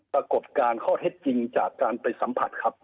ปรากฏการณ์ข้อเท็จจริงจากการไปสัมผัสครับ